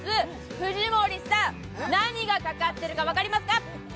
藤森さん、何がかかってるか分かりますか？